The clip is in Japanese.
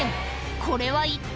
これは一体？